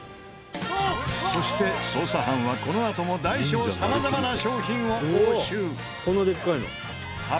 そして捜査班はこのあとも大小様々な商品を押収。